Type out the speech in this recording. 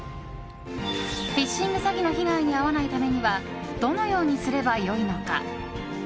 フィッシング詐欺の被害に遭わないためにはどのようにすればよいのか。